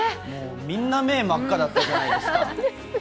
みんな目真っ赤だったじゃないですか。